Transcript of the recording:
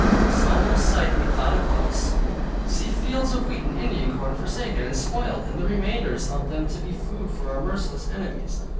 A solemn sight methought it was, to see fields of wheat and Indian corn forsaken and spoiled and the remainders of them to be food for our merciless enemies.